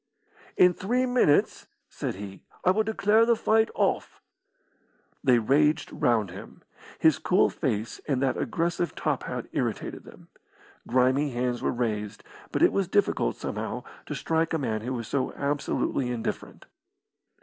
"In three minutes," said he, "I will declare the fight off." They raged round him. His cool face and that aggressive top hat irritated them. Grimy hands were raised. But it was difficult, somehow, to strike a man who was so absolutely indifferent.